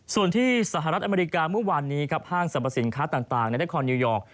ส่วนที่สหรัฐอเมริกาเมื่อวานนี้ครับห้างสรรพสินค้าต่างในนครนิวยอร์ก